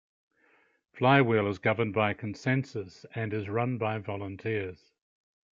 Flywheel is governed by consensus and is run by volunteers.